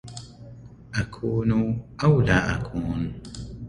أكون أو لا أكون؟